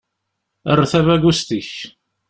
Err tabagust-ik.